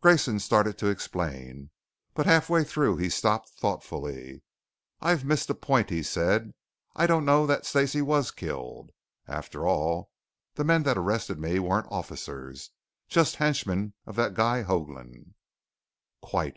Grayson started to explain, but half way through he stopped thoughtfully. "I've missed a point," he said. "I don't know that Stacey was killed. After all, the men that arrested me weren't officers. Just henchmen of that guy Hoagland." "Quite!